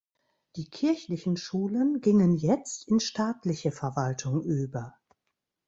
Die kirchlichen Schulen gingen jetzt in staatliche Verwaltung über.